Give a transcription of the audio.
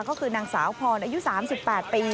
ก็คือนางสาวพรอายุ๓๘ปี